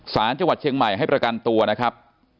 สารจังหวัดเชียงใหม่ให้ประกันตัวนะครับ